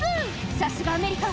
さすがアメリカ！